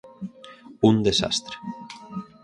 "Un desastre".